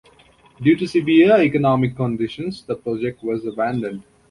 Due to severe economic conditions the project was abandoned.